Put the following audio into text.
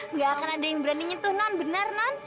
nggak akan ada yang berani nyentuh non benar non